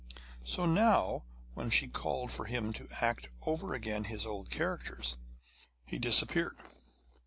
So now, when she called for him to act over again his old characters, he disappeared.